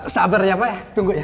sabar ya pak tunggu ya